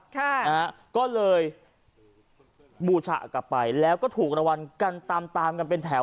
ค่ะนะฮะก็เลยบูชากลับไปแล้วก็ถูกรางวัลกันตามตามกันเป็นแถว